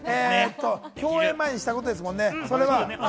共演前にしたことですもんね、それは。